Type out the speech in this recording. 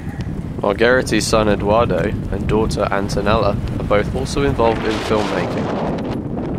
Margheriti's son Edoardo and daughter Antonella are both also involved in filmmaking.